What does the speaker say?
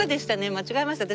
間違えました私。